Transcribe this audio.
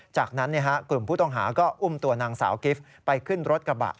จากนั้นกลุ่มผู้ต้องหาก็อุ้มตัวนางสาวกิฟต์ไปขึ้นรถกระบะ